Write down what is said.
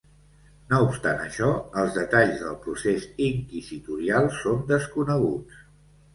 No obstant això, els detalls del procés inquisitorial són desconeguts.